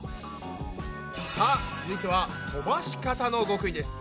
さあ続いては飛ばし方の極意です。